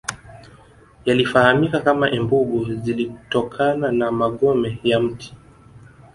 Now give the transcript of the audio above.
Yalifahamika kama embugu zilitokana na magome ya mti